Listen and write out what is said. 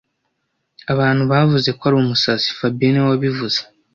Abantu bavuze ko ari umusazi fabien niwe wabivuze